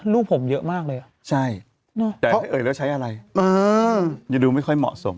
ลูกผมเยอะมากเลยอะใช่แอบอะไรนะเอ๋แล้วใช้อะไรอื้ออยู่ดูไม่ค่อยเหมาะสม